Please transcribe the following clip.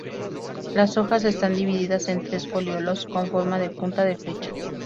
Las hojas están divididas en tres foliolos con forma de punta de flecha.